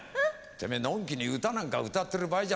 てめえのんきに歌なんか歌ってる場合じゃねえだろよ。